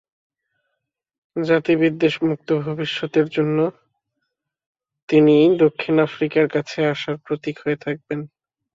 জাতিবিদ্বেষ মুক্ত ভবিষ্যতের জন্য তিনি দক্ষিণ আফ্রিকার কাছে আশার প্রতীক হয়ে থাকবেন।